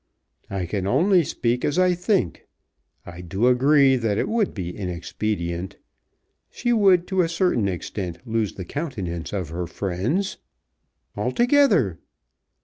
"I can only speak as I think. I do agree that it would be inexpedient. She would to a certain extent lose the countenance of her friends " "Altogether!"